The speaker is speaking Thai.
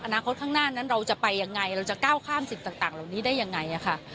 อนาคตข้างหน้านั้นเราจะไปยังไงเราจะก้าวข้ามสิ่งต่างเหล่านี้ได้ยังไงค่ะ